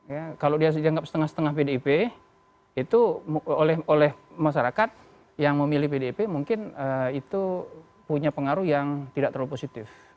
ya kalau dia dianggap setengah setengah pdip itu oleh masyarakat yang memilih pdip mungkin itu punya pengaruh yang tidak terlalu positif